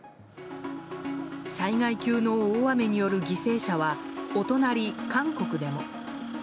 災害級の大雨による犠牲者はお隣、韓国でも。